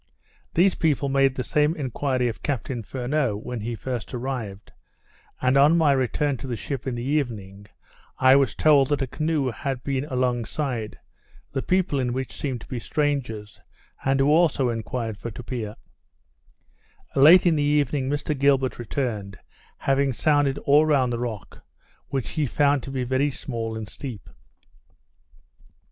These people made the same enquiry of Captain Furneaux when he first arrived; and, on my return to the ship in the evening, I was told that a canoe had been along side, the people in which seemed to be strangers, and who also enquired for Tupia. Late in the evening Mr Gilbert returned, having sounded all round the rock, which he found to be very small and steep.